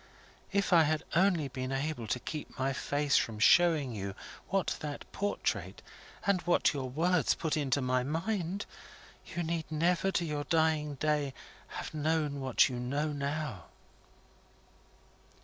If I had only been able to keep my face from showing you what that portrait and what your own words put into my mind, you need never, to your dying day, have known what you know now."